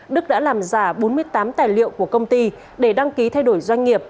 đức đã làm giả bốn mươi tám tài liệu của công ty để đăng ký thay đổi doanh nghiệp